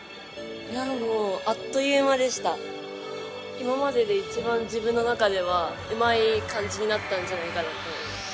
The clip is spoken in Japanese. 今まででいちばん自分の中ではうまいかんじになったんじゃないかなと思います。